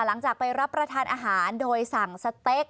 หลังจากไปรับประทานอาหารโดยสั่งสเต็ก